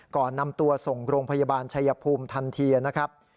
ก่อนนำตัวส่งโรงพยาบาลชัยภูมิทันทีนะครับ